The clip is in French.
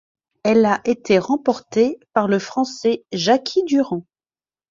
Elle a été remportée par le Français Jacky Durand.